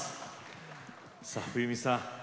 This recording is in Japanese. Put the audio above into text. さあ冬美さん